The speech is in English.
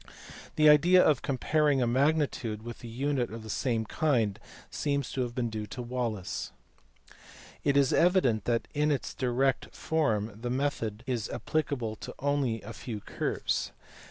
The idea of comparing a magnitude with a unit of the same kind seems to have been due to Wallis. It is evident that in its direct form the method is appli cable to only a few curves.